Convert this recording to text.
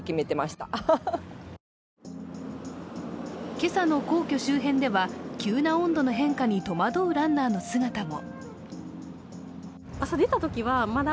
今朝の皇居周辺では急な温度の変化に戸惑うランナーの姿も。